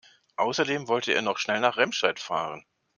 Außerdem wollte er noch schnell nach Remscheid fahren